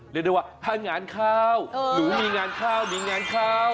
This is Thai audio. เรียกได้ว่าถ้างานข้าวหนูมีงานข้าวมีงานเข้า